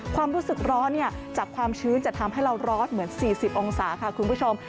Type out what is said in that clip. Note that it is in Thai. ความรู้สึกร้อนจากความชื้นจะทำให้เราร้อนเหมือน๔๐องศาค่ะคุณผู้ชม